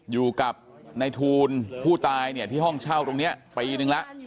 อยู่กับในทูลผู้ตายเนี่ยที่ห้องเช่าตรงนี้ปีนึงแล้ว